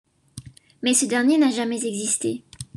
Mais ce dernier n'a jamais existé.